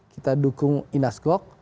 kita dukung inas gok